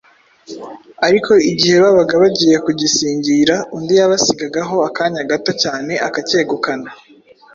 ariko igihe babaga bagiye kugisingira, undi yabasigagaho akanya gato cyane akacyegukana.